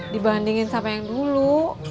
dibandingin sama yang dulu